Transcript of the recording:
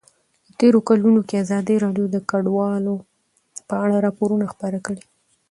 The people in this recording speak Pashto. په تېرو کلونو کې ازادي راډیو د کډوال په اړه راپورونه خپاره کړي دي.